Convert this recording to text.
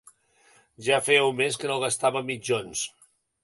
Ja feia un mes que no gastava mitjons